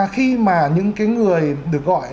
khi mà những cái người được gọi